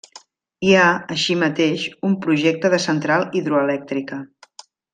Hi ha, així mateix, un projecte de central hidroelèctrica.